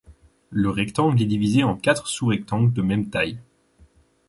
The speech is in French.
Le rectangle est divisé en quatre sous-rectangles de même taille.